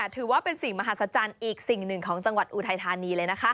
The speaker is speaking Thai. ถือว่าเป็นสิ่งมหัศจรรย์อีกสิ่งหนึ่งของจังหวัดอุทัยธานีเลยนะคะ